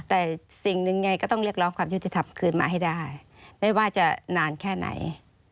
แต่สิ่งหนึ่งไงก็ต้องเรียกร้องความยุติธรรมคืนมาให้ได้ไม่ว่าจะนานแค่ไหน